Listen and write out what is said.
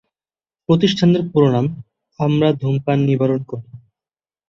প্রতিষ্ঠানের পুরোনাম ‘আমরা ধূমপান নিবারণ করি’।